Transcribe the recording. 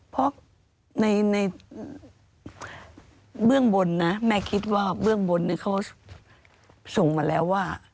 เพราะในเบื้องบนนะแม่คิดว่าเบื้องบนเขาส่งมาแล้วว่า